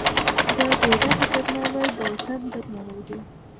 د بیرغ درناوی د وطن درناوی دی.